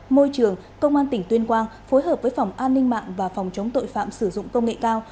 môi trường công an tỉnh tuyên quang phối hợp với phòng an ninh mạng và phòng chống tội phạm sử dụng công nghệ cao